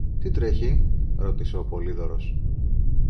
Τι τρέχει; ρώτησε ο Πολύδωρος.